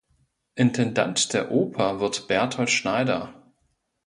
Intendant der Oper wird Berthold Schneider.